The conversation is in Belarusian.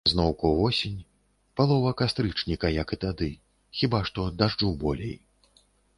Зноўку восень, палова кастрычніка, як і тады, хіба што дажджу болей.